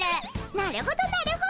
なるほどなるほど。